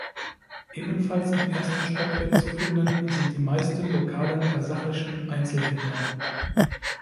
Ebenfalls im ersten Stockwerk zu finden sind die meisten lokalen kasachischen Einzelhändler.